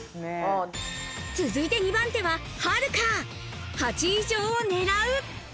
続いて２番手ははるか、８位以上をねらう。